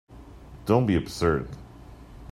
Don't be absurd!